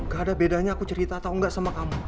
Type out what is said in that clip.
gak ada bedanya aku cerita atau enggak sama kamu